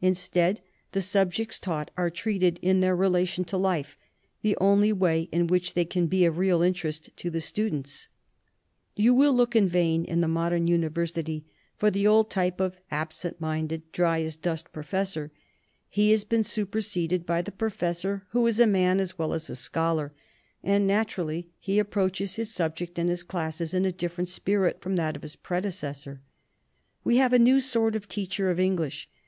Instead, the subjects taught are treated in their relation to life, the only way in which they can be of real interest to the students. 201 LITERATURE IN THE MAKING "You will look in vain in the modern university for the old type of absent minded, dry as dust professor. He has been superseded by the pro fessor who is a man as well as a scholar. And naturally he approaches his subject and his classes in a different spirit from that of his predecessor. "We have a new sort of teacher of English.